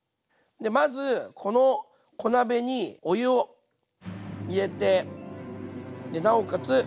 まずこの小鍋にお湯を入れてなおかつ